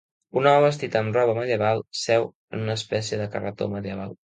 Un home vestit amb roba medieval seu en una espècie de carretó medieval.